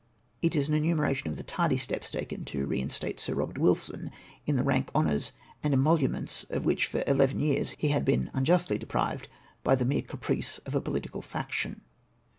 It is an enume ration of the tardy steps taken to reinstate Sir Eobert Wilson in the rank, honom's, and emoluments of which for eleven years he had been unjustly deprived by the mere caprice of a political faction.